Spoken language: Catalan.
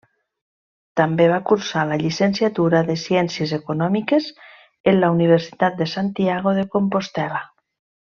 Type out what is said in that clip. També va cursar la llicenciatura de Ciències Econòmiques en la Universitat de Santiago de Compostel·la.